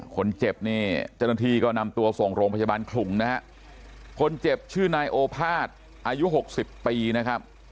คนเจ็บนี่เจ้าหน้าที่ก็นำตัวส่งโรงพยาบาลขลุงนะฮะคนเจ็บชื่อนายโอภาษย์อายุหกสิบปีนะครับ